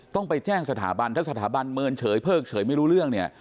ต้องไปแจ้งสถาบันถ้าสถาบันเมินเฉยเพิกเฉยไม่รู้เรื่องเนี่ย